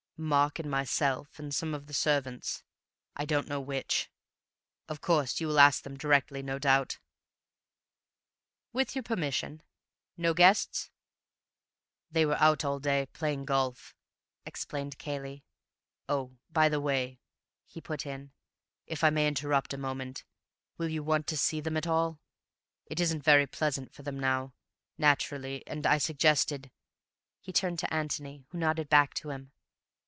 "Mark and myself, and some of the servants. I don't know which. Of course, you will ask them directly, no doubt." "With your permission. No guests?" "They were out all day playing golf," explained Cayley. "Oh, by the way," he put in, "if I may interrupt a moment, will you want to see them at all? It isn't very pleasant for them now, naturally, and I suggested—" he turned to Antony, who nodded back to him.